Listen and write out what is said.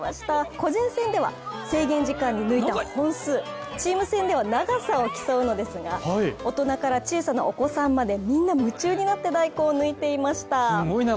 個人戦では制限時間に抜いた本数、チーム戦では長さを競うのですが、大人から小さなお子さんまでみんな夢中になって大根を抜いていました。